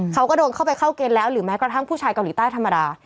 เขาก็โดนเข้าไปเข้าเกณฑ์แล้วหรือแม้กระทั่งผู้ชายเกาหลีใต้ธรรมดา